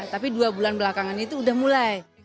tapi dua bulan belakangan itu sudah mulai